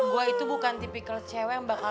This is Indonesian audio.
gue itu bukan tipikal cewe yang bakal